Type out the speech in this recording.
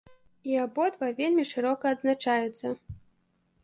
І абодва вельмі шырока адзначаюцца.